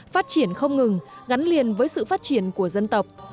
phát triển không ngừng gắn liền với sự phát triển của dân tộc